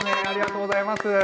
ありがとうございます。